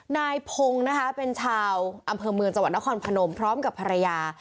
นายพงศ์นะคะเป็นชาวอำเภอเมืองจังหวัดนครพนมพร้อมกับภรรยา